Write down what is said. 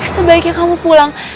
sebaiknya kamu pulang